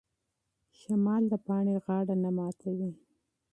شمال د پاڼې غاړه نه ماتوي.